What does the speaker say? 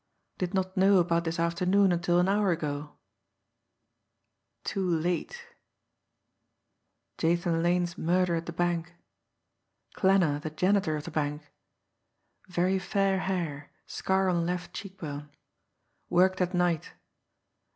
did not know about this afternoon until an hour ago ... too late ... Jathan Lane's murder at the bank ... Klanner, the janitor of the bank ... very fair hair, scar on left cheek bone ... worked at night